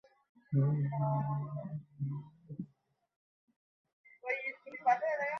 তোর মা বলেনি?